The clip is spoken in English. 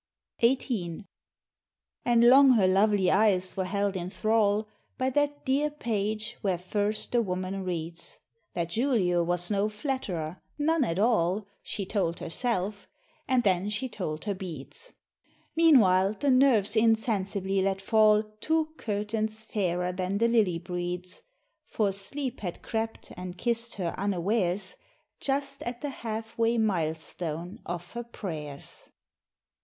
XVIII. And long her lovely eyes were held in thrall, By that dear page where first the woman reads: That Julio was no flatt'rer, none at all, She told herself and then she told her beads; Meanwhile, the nerves insensibly let fall Two curtains fairer than the lily breeds; For Sleep had crept and kiss'd her unawares, Just at the half way milestone of her pray'rs.